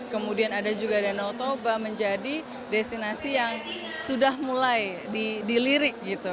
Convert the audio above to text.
kemudian ada juga danau toba menjadi destinasi yang sudah mulai dilirik gitu